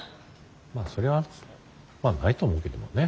まあそれはまあないと思うけどもね。